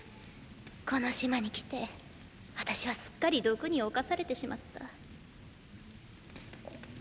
この島に来てあたしはすっかり毒に侵されてしまった。